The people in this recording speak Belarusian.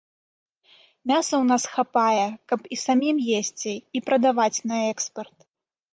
Мяса ў нас хапае, каб і самім есці, і прадаваць на экспарт.